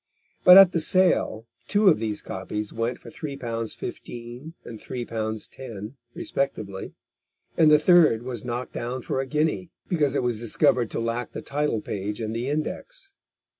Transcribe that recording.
But at the sale two of these copies went for three pounds fifteen and three pounds ten, respectively, and the third was knocked down for a guinea, because it was discovered to lack the title page and the index.